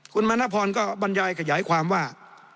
คุณมณพรก็บรรยายขยายความว่า